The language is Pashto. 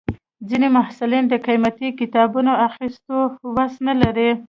ځینې محصلین د قیمتي کتابونو اخیستو وس نه لري.